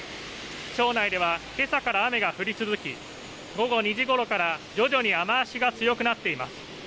町内では、けさから雨が降り続き午後２時ごろから徐々に雨足が強くなっています。